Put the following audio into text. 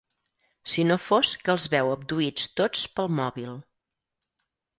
Si no fos que els veu abduïts tots pel mòbil.